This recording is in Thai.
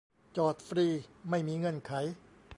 จอดฟรีไม่มีเงื่อนไข